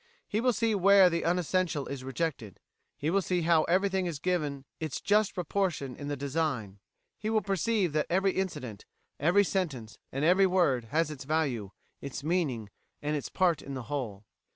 He will see where the unessential is rejected; he will see how everything is given its just proportion in the design; he will perceive that every incident, every sentence, and every word has its value, its meaning, and its part in the whole."